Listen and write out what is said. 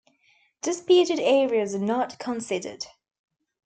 Disputed areas are not considered.